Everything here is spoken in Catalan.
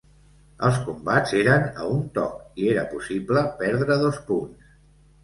Els combats eren a un toc, i era possible perdre dos punts.